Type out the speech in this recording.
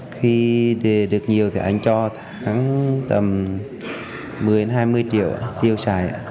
khi đề được nhiều thì anh cho tháng tầm một mươi hai mươi triệu tiêu xài